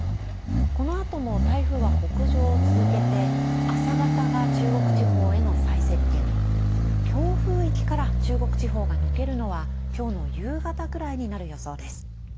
このあとも台風は北上を続けて朝方が中国地方への最接近、強風域から中国地方が抜けるのはきょうの夕方くらいになる予想です。